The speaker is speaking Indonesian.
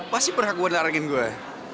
pasti pernah gua naringin gua